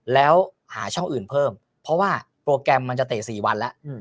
แล้วหาช่องอื่นเพิ่มเพราะว่าโปรแกรมมันจะเตะ๔วันแล้ว